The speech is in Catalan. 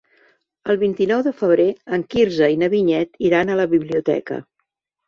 El vint-i-nou de febrer en Quirze i na Vinyet iran a la biblioteca.